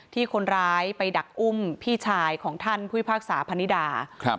ที่คนร้ายไปดักอุ้มพี่ชายของท่านผู้พิพากษาพนิดาครับ